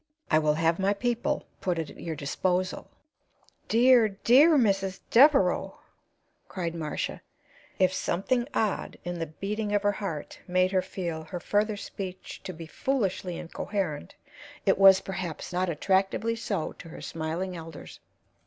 I will have my people put it at your disposal." "Dear, dear Mrs. Devereaux!" cried Marcia. If something odd in the beating of her heart made her feel her further speech to be foolishly incoherent, it was, perhaps, not unattractively so to her smiling elders.